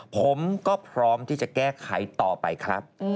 ผมก็พร้อมที่จะแก้ไขต่อไปครับ